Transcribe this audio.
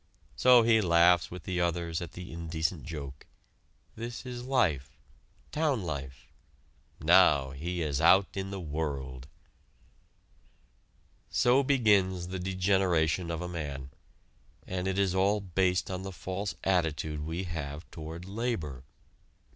So he laughs with the others at the indecent joke. This is life town life. Now he is out in the world! So begins the degeneration of a man, and it is all based on the false attitude we have toward labor.